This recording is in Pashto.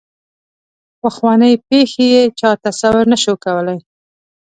پخوانۍ پېښې یې چا تصور نه شو کولای.